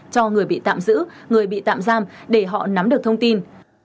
cho người bị tạm giữ người bị tạm giam để họ nắm được thông tin